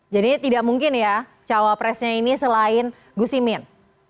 jadi tidak mungkin ya cawapresnya ini selain gus imin